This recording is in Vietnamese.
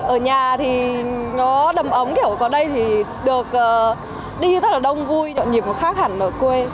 ở nhà thì nó đầm ấm còn đây thì được đi rất là đông vui nhận nhịp khác hẳn ở quê